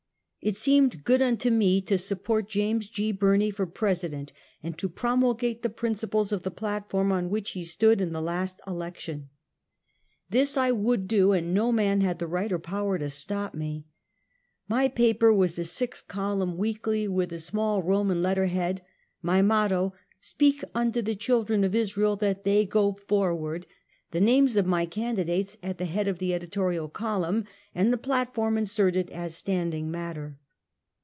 It seemed good unto me to support James G. Bir ney, for President, and to promulgate the principles of the platform on which he stood in the last election. Reception of The Yisitee. 113 This I would do, and no man had the right or power to stop me. My paper was a six column weekly, with a small Eoman letter head, my motto, " Speak unto the children of Israel that they go forward," the names of my candidates at the head of the editorial column and the platform inserted as standing matter.